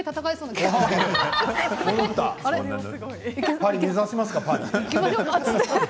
パリを目指しますか？